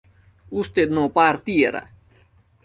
usted no partiera